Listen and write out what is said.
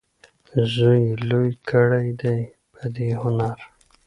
زوی یې لوی کړی دی په دې هنر.